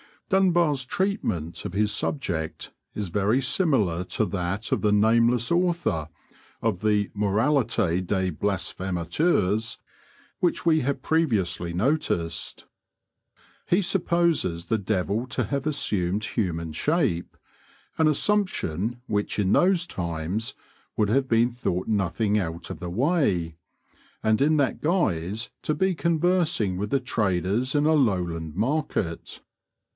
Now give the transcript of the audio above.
Dunbar's treatment of his subject is very similar to that of the nameless author of the 'Moralité des Blasphémateurs' which we have previously noticed. He supposes the devil to have assumed human shape, an assumption which in those times would have been thought nothing out of the way, and in that guise to be conversing with the traders in a Lowland market.